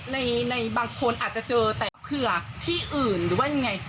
ในบางคนอาจจะเจอแต่เผื่อที่อื่นหรือว่ายังไง